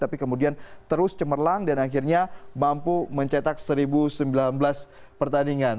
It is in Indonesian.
tapi kemudian terus cemerlang dan akhirnya mampu mencetak satu sembilan belas pertandingan